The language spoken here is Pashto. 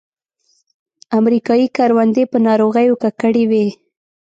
امریکایي کروندې په ناروغیو ککړې وې.